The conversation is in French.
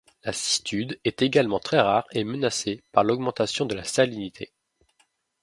La cistude est également très rare et menacée par l'augmentation de la salinité.